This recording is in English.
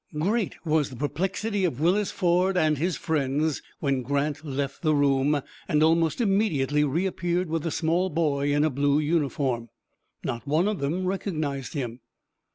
Great was the perplexity of Willis Ford and his friends when Grant left the room, and almost immediately reappeared with a small boy in blue uniform. Not one of them recognized him.